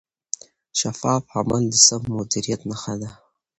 شفاف عمل د سم مدیریت نښه ده.